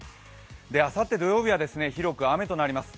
あさって土曜日は広く雨となります。